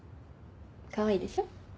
かわいいでしょ？